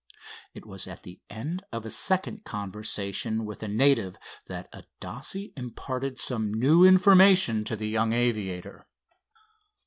It was at the end of a second conversation with the native that Adasse imparted some new information to the young aviator.